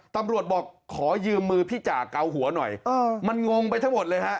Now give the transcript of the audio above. ตำรวจบอกขอยืมมือพี่จ่าเกาหัวหน่อยมันงงไปทั้งหมดเลยฮะ